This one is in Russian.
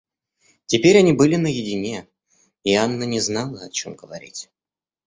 Теперь они были наедине, и Анна не знала, о чем говорить.